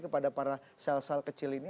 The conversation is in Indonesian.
kepada para sel sel kecil ini